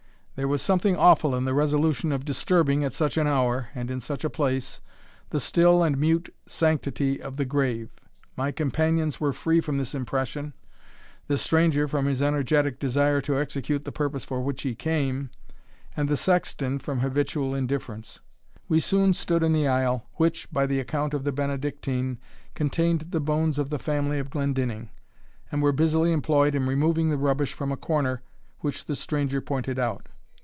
There was something awful in the resolution of disturbing, at such an hour, and in such a place, the still and mute sanctity of the grave. My companions were free from this impression the stranger from his energetic desire to execute the purpose for which he came and the sexton from habitual indifference. We soon stood in the aisle, which, by the account of the Benedictine, contained the bones of the family of Glendinning, and were busily employed in removing the rubbish from a corner which the stranger pointed out.